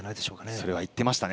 それは言っていましたね